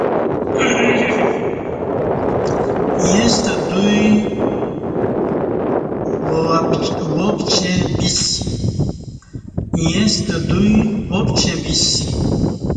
ییݩستہ دوی واپچیں بیسی